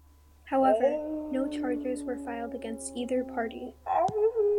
However, no charges were filed against either party.